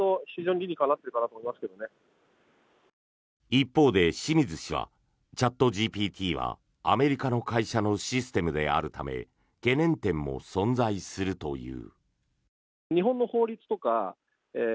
一方で清水氏はチャットＧＰＴはアメリカの会社のシステムであるため懸念点も存在するという。